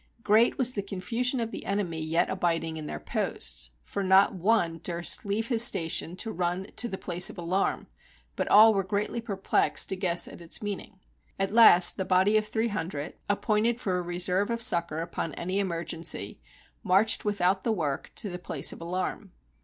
Great was the con fusion of the enemy yet abiding in their posts, for not one durst leave his station to run to the place of alarm, but all were greatly perplexed to guess at its meaning. At last the body of three hundred, appointed for a re serve of succor upon any emergency, marched without the work to the place of alarm.